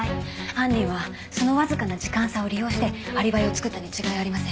犯人はそのわずかな時間差を利用してアリバイを作ったに違いありません。